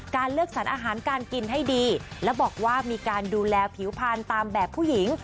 เลือกสรรอาหารการกินให้ดีและบอกว่ามีการดูแลผิวพันธุ์ตามแบบผู้หญิง